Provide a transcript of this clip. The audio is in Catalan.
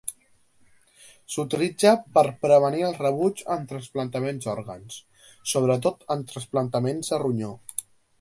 S'utilitza per prevenir el rebuig en el trasplantament d'òrgans, sobretot en trasplantaments de ronyó.